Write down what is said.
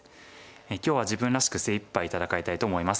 今日は自分らしく精いっぱい戦いたいと思います。